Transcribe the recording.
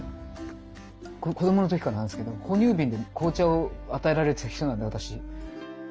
子どもの時からなんですけど哺乳瓶で紅茶を与えられてる人なんで私。